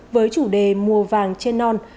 với chủ đề mùa vàng trên non